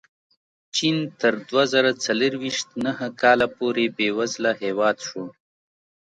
چین تر دوه زره څلوېښت نهه کاله پورې بېوزله هېواد شو.